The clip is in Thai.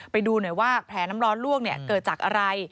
ไปดูหน่อยว่าแผลน้ำร้อนล่วงเกิดจากอะไร